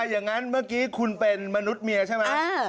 อย่างนั้นเมื่อกี้คุณเป็นมนุษย์เมียใช่ไหม